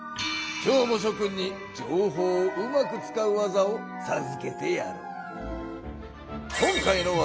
今日もしょ君に情報をうまく使う技をさずけてやろう。